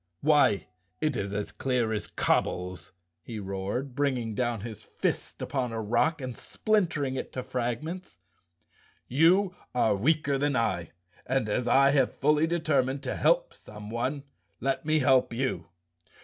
" Why, it is as clear as cobbles," he roared, bringing down his fist upon a rock and splintering it to frag¬ ments. "You are weaker than I and, as I have fully determined to help someone, let me help you.